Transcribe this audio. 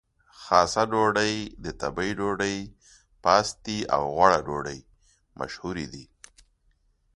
خاصه ډوډۍ، د تبۍ ډوډۍ، پاستي او غوړه ډوډۍ مشهورې دي.